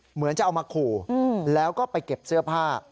เหมือนจะเอามาขู่แล้วก็ไปเก็บเสื้อผ้า